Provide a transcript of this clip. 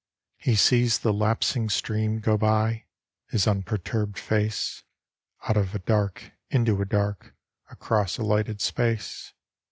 He sees the lapsing stream go by His unperturbed face, Out of a dark, into a dark, Across a lighted space.